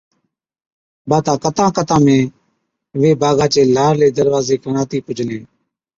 باتا ڪتان ڪتان ۾ وين باغا چي لارلي دَروازي کن آتِي پُجلين۔